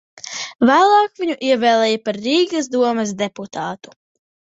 Vēlāk viņu ievēlēja par Rīgas domes deputātu.